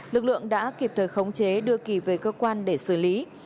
lực lượng đã kịp thời khống chế đưa kỳ về cơ quan để xử lý